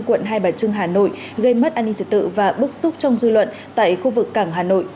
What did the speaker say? quận hai bà trưng hà nội gây mất an ninh trật tự và bức xúc trong dư luận tại khu vực cảng hà nội